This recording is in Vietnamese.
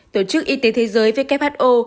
tổ chức y tế thế giới who